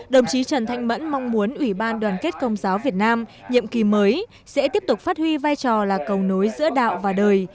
đồng chí trần thanh mẫn mong muốn ủy ban đoàn kết công giáo việt nam nhiệm kỳ mới sẽ tiếp tục phát huy vai trò là cầu nối giữa đạo và đời